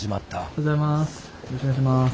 おはようございます。